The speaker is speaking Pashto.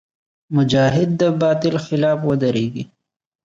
مجاهد د باطل خلاف ودریږي.